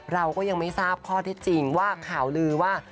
เราก็ยังไม่ทราบข้อเท็จจริงว่าข่าวลือว่า